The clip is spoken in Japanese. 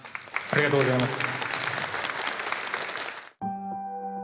ありがとうございます。